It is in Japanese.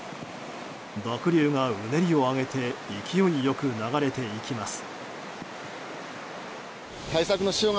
濁流がうねりを上げて勢いよく流れていきます。